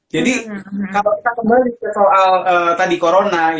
jadi kalau kita kembali ke soal tadi corona